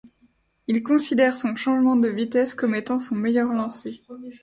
Il considère son changement de vitesse comme étant son meilleur lancer.